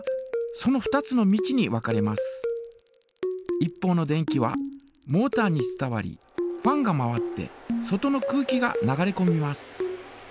一方の電気はモータに伝わりファンが回って外の空気が流れこみます。